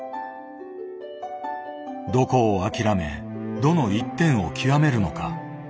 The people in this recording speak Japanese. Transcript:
どこを諦めどの一点を極めるのか。